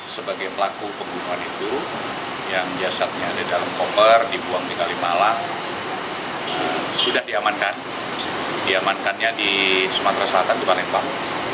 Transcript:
sudah diamankan diamankannya di sumatera selatan di palembang